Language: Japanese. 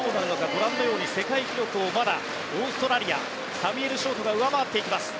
ご覧のように世界記録をまだオーストラリアサミュエル・ショートが上回っています。